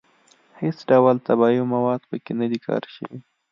هېڅ ډول طبیعي مواد په کې نه دي کار شوي.